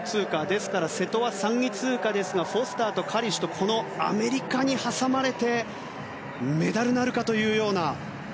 ですから、瀬戸は３位通過ですがフォスターとカリシュというアメリカに挟まれてメダルなるか。